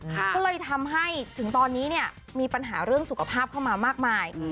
ก็เลยทำให้ถึงตอนนี้เนี่ยมีปัญหาเรื่องสุขภาพเข้ามามากมาย